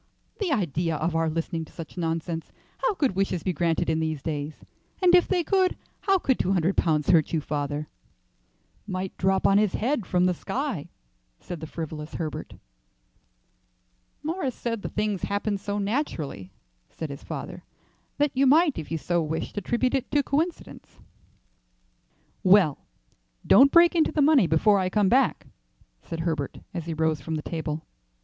"The idea of our listening to such nonsense! How could wishes be granted in these days? And if they could, how could two hundred pounds hurt you, father?" "Might drop on his head from the sky," said the frivolous Herbert. "Morris said the things happened so naturally," said his father, "that you might if you so wished attribute it to coincidence." "Well, don't break into the money before I come back," said Herbert as he rose from the table.